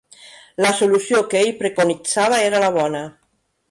La solució que ell preconitzava era la bona.